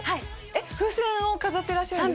風船を飾ってらっしゃるんですか？